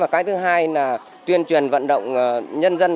cái thứ hai là tuyên truyền vận động nhân dân